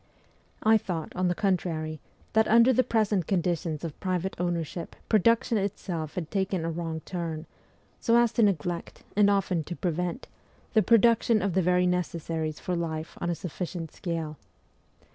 I thought, on the contrary, that under the present conditions of private ownership production itself had taken a wrong turn, so as to neglect, and often to prevent, the production of the very necessaries for life on a sufficient scale.